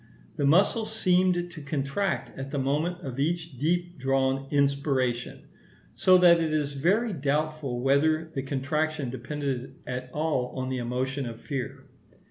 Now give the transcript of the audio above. The muscle seemed to contract at the moment of each deep drawn inspiration; so that it is very doubtful whether the contraction depended at all on the emotion of fear.